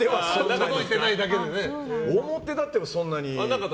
表立っては、そんなに。